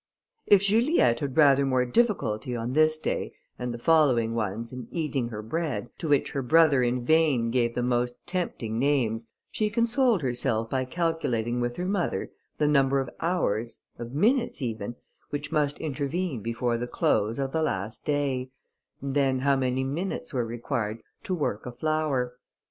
If Juliette had rather more difficulty, on this day, and the following ones, in eating her bread, to which her brother in vain gave the most tempting names, she consoled herself by calculating with her mother, the number of hours, of minutes even, which must intervene before the close of the last day; and then how many minutes were required to work a flower.